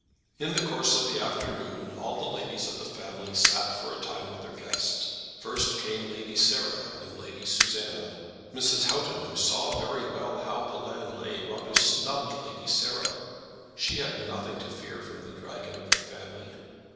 In the course of that afternoon all the ladies of the family sat for a time with their guest. First came Lady Sarah and Lady Susanna. Mrs. Houghton, who saw very well how the land lay, rather snubbed Lady Sarah. She had nothing to fear from the dragon of the family.